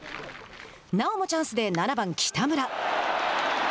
なおもチャンスで７番北村。